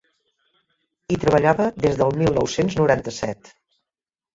Hi treballava des del mil nou-cents noranta-set.